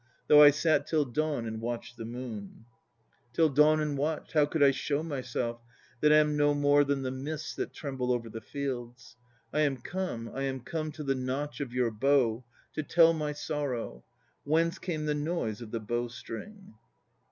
Though I sat till dawn and watched the moon, Till dawn and watched, How could I show myself, That am no more than the mists that tremble over the fields? I am come, I am come to the notch of your bow To tell my sorrow. Whence came the noise of the bow string?